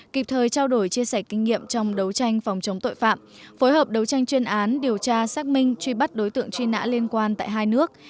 kịp thời trao đổi chia sẻ kinh nghiệm trong đấu tranh phòng chống tội phạm phối hợp đấu tranh chuyên án điều tra xác minh truy bắt đối tượng truy nã liên quan tại hai nước